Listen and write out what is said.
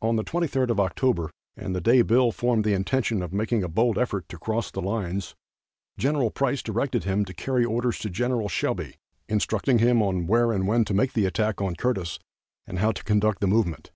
On the 23d of October, and the day Bill formed the intention of making a bold effort to cross the lines, Gen. Price directed him to carry orders to Gen. Shelby instructing him where and when to make the attack on Curtis, and how to conduct the movement.